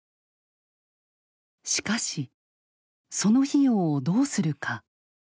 しかしその費用をどうするか。